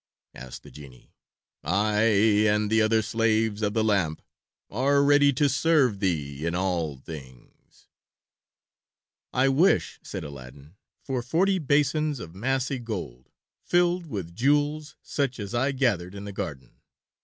asked the genie. "I and the other slaves of the lamp are ready to serve thee in all things." "I wish," said Aladdin, "for forty basins of massy gold, filled with jewels such as I gathered in the garden.